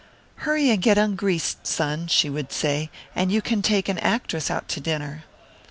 "Hurry and get ungreased, Son," she would say, "and you can take an actress out to dinner."